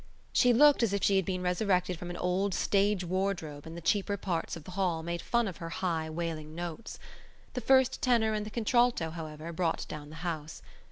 She looked as if she had been resurrected from an old stage wardrobe and the cheaper parts of the hall made fun of her high wailing notes. The first tenor and the contralto, however, brought down the house.